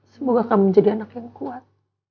semoga kamu menjadi anak yang kuat